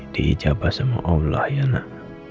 dijabah sama allah ya nak